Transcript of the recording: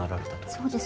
そうです。